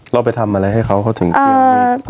แล้วไปทำอะไรให้เขาเขาถึงเครื่องมีดด้วย